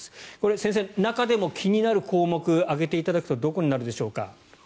先生、中でも気になる項目を挙げていただくとどこになるでしょうか。